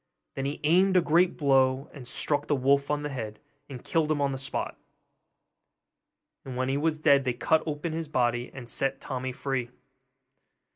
Then he aimed a great blow, and struck the wolf on the head, and killed him on the spot! and when he was dead they cut open his body, and set Tommy free.